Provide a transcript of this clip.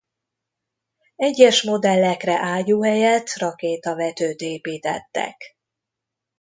Egyes modellekre ágyú helyett rakétavetőt építettek.